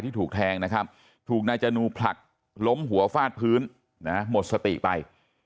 ถูกแทงนะครับถูกนายจนูผลักล้มหัวฟาดพื้นหมดสติไป